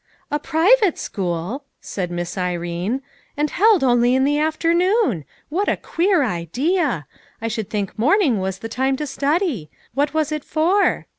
"A private school!" said Miss Irene, "and held only in the afternoon ! What a queer idea ! I should think morning was the time to study. What was it for?"